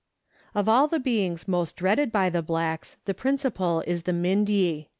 Of all the beings most dreaded by the blacks, the principal is the Mindye.